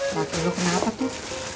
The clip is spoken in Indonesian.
baju lu kenapa tuh